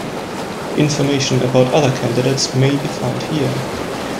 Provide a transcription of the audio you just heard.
Information about other candidates may be found here.